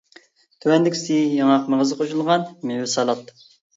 تۆۋەندىكىسى ياڭاق مېغىزى قوشۇلغان مېۋە سالات.